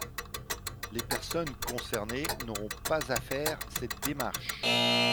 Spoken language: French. Les personnes concernées n’auront pas à faire cette démarche.